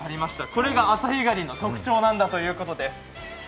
これがアサヒガニの特徴なんだということです。